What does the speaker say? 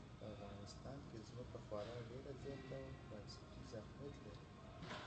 په افغانستان کې ځمکه خورا ډېر زیات او بنسټیز اهمیت لري.